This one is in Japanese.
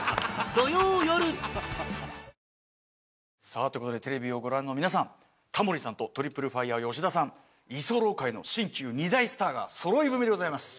さあという事でテレビをご覧の皆さんタモリさんとトリプルファイヤー吉田さん居候界の新旧２大スターがそろい踏みでございます。